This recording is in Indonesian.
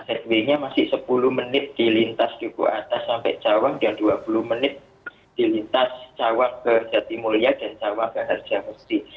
headway nya masih sepuluh menit dilintas di kuartas sampai cawang dan dua puluh menit dilintas cawang ke jatimulya dan cawang ke harjamesti